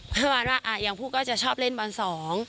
เมื่อวานว่าอย่างผู้ก็จะชอบเล่นบอลสอง